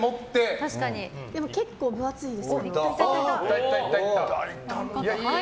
でも結構分厚いです。